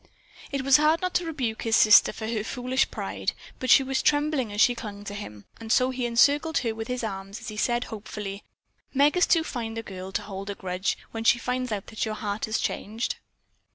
It was hard not to rebuke his sister for her foolish pride, but she was trembling as she clung to him, and so he encircled her with his arm as he said hopefully: "Meg is too fine a girl to hold a grudge when she finds out that your heart has changed."